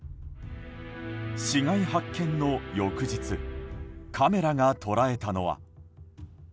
死骸発見の翌日カメラが捉えたのは。